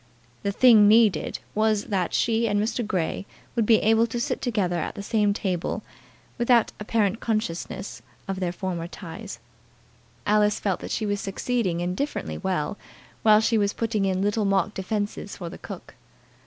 The thing needed was that she and Mr. Grey should be able to sit together at the same table without apparent consciousness of their former ties. Alice felt that she was succeeding indifferently well while she was putting in little mock defences for the cook.